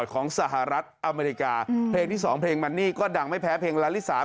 ของสหรัฐอเมริกาเพลงที่สองเพลงมันนี่ก็ดังไม่แพ้เพลงลาลิสา